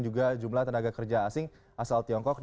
juga jumlah tenaga kerja asing asal tiongkok